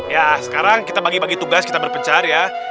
ya sekarang kita bagi bagi tugas kita berpencar ya